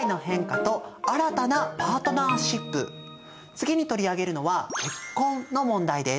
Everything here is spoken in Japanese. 次に取り上げるのは「結婚」の問題です。